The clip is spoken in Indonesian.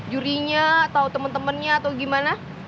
jurinya atau temen temennya atau gimana